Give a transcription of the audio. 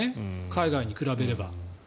海外に比べれば。